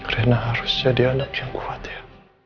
rena harus jadi anak yang kuat ya